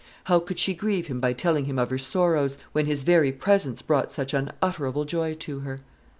How could she grieve him by telling him of her sorrows, when his very presence brought such unutterable joy to her?